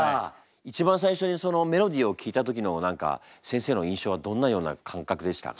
一番最初にそのメロディーを聴いた時の何か先生の印象はどんなような感覚でしたか？